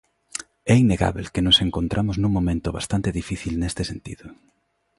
É innegábel que nos encontramos nun momento bastante difícil neste sentido.